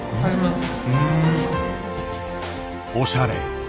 おしゃれ。